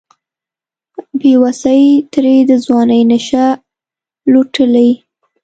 بیوسۍ ترې د ځوانۍ نشه لوټلې